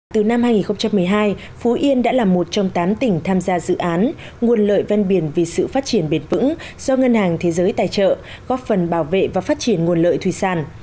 từ năm hai nghìn một mươi hai phú yên đã là một trong tám tỉnh tham gia dự án nguồn lợi ven biển vì sự phát triển bền vững do ngân hàng thế giới tài trợ góp phần bảo vệ và phát triển nguồn lợi thủy sản